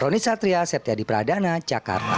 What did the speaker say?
roni satria septiadi pradana jakarta